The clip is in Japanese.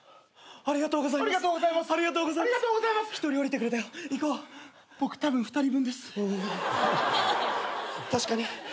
ありがとうございます！